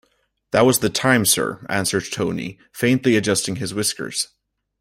"That was the time, sir," answers Tony, faintly adjusting his whiskers.